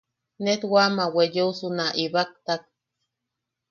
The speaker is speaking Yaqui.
Net wam a weyeosu na ibaktak: